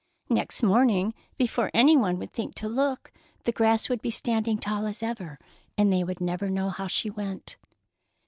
Next morning, before any one would think to look, the grass would be standing tall as ever, and they would never know how she went.